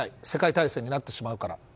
世界大戦になってしまうから。